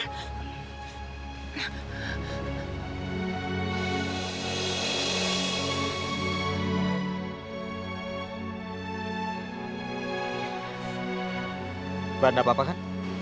anda sudah siap bukan